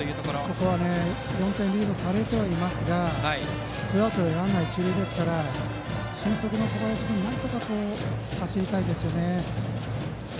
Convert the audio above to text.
ここは４点リードされてはいますがツーアウトでランナーが一塁ですから俊足の小林君なんとか走りたいですよね。